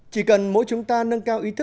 chỉ cần mỗi chúng ta nâng cao ý thức